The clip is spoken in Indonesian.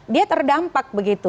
dia terdampak begitu